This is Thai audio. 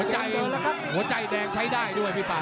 หัวใจแดงใช้ได้ด้วยพี่ป่า